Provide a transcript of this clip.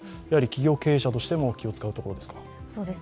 企業経営者としても気を遣うところですか。